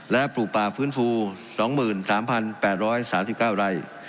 และปลูกป่าฟื้นฟู๒๓๘๓๙ไร่